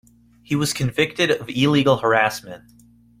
He was convicted of illegal harassment.